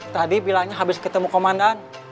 tadi bilangnya habis ketemu komandan